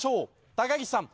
高岸さん